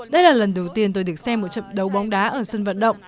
đây là lần đầu tiên tôi được xem một trận đấu bóng đá ở sân vận động